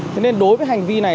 thế nên đối với hành vi này